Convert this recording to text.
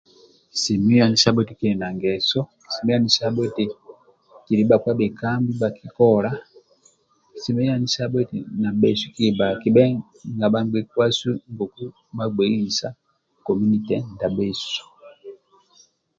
Kisemelelu anisabho eti kili na ngeso kilia anisabho eti kili bhakpa bhekambi ndibha kikola semelelu anisabho eti nabhesu kebe nabha ngbekuasu bhagbei isa komunite ndia bhesu